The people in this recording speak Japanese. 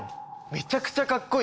めちゃくちゃカッコいい